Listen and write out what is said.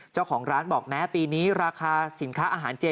เจ้าของร้านบอกแม้ปีนี้ราคาสินค้าอาหารเจ